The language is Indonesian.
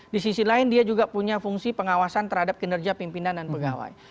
di sisi lain dia juga punya fungsi pengawasan terhadap kinerja pimpinan dan pegawai